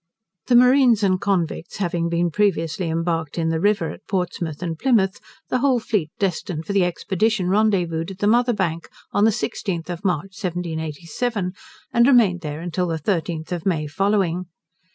The marines and convicts having been previously embarked in the River, at Portsmouth, and Plymouth, the whole fleet destined for the expedition rendezvoused at the Mother Bank, on the 16th of March 1787, and remained there until the 13th of May following.